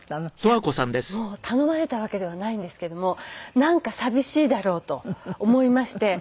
いやもう頼まれたわけではないんですけどもなんか寂しいだろうと思いまして。